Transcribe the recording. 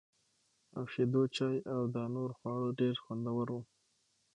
او شېدو چای او دانور خواړه ډېره خوندوره